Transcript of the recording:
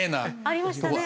ありましたね